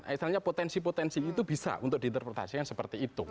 istilahnya potensi potensi itu bisa untuk diinterpretasikan seperti itu